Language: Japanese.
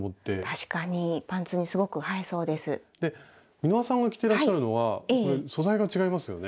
美濃羽さんが着てらっしゃるのはこれ素材が違いますよね？